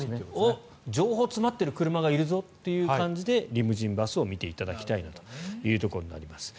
情報が詰まってる車がいるぞという感じでリムジンバスを見ていただきたいということになります。